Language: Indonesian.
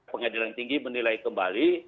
pengadilan tinggi menilai kembali